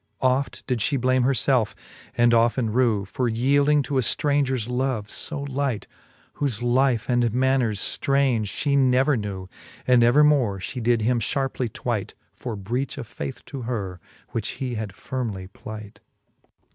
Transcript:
Oft did fhe blame her felfe, and often rew, For yeelding to a ftraungers love lb light, Whole life and manners ftraunge Ihe never knew \ And evermore Ihe did him Iharpely tvvight For breach of faith to her, which he had firmely plight.